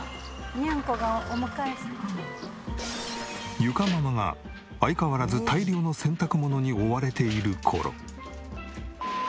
裕佳ママが相変わらず大量の洗濯物に追われている頃。